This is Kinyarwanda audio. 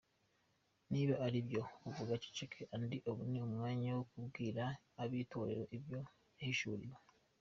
Niba ari ibyo, uvuga aceceke, undi abone umwanya wo kubwira ab’Itorero ibyo yahishuriwe.